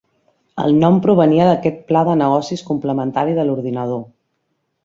El nom provenia d'aquest pla de negocis complementari de l'ordinador.